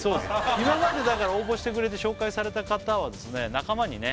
今まで応募してくれて紹介された方は仲間にね